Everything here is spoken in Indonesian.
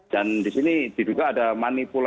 dan di sini juga ada manipuler